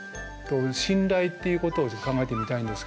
「信頼」っていうことをちょっと考えてみたいんですけど。